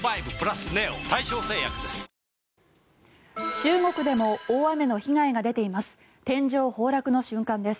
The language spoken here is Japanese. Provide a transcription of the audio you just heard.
中国でも大雨の被害が出ています。